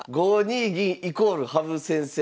５二銀イコール羽生先生。